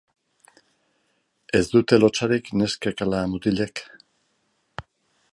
Ez dute lotsarik neskek ala mutilek?